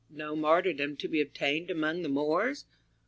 No martyrdom to be obtained among the Moors?